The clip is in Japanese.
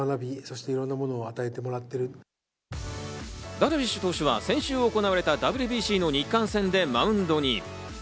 ダルビッシュ投手は先週行われたＷＢＣの日韓戦でマウンドに。